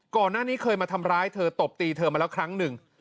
ก่อนหน้านี้เคยมาทำร้ายเธอตบตีเธอมาแล้วครั้งหนึ่ง